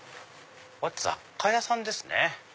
雑貨屋さんですね。